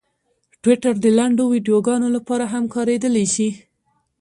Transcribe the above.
ټویټر د لنډو ویډیوګانو لپاره هم کارېدلی شي.